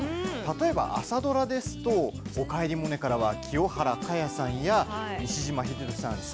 例えば、朝ドラですと「おかえりモネ」から清原果耶さんや西島秀俊さん